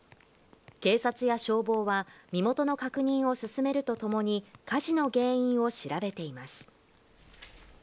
警察や消防は、身元の確認を進めるとともに、火事の原因を調べています。